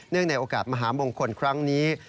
ในโอกาสมหามงคลครั้งนี้